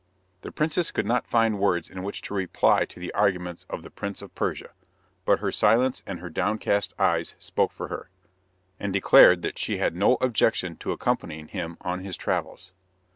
The princess could not find words in which to reply to the arguments of the Prince of Persia, but her silence and her downcast eyes spoke for her, and declared that she had no objection to accompanying him on his travels.